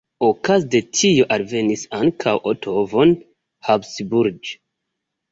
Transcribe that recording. Okaze de tio alvenis ankaŭ Otto von Habsburg.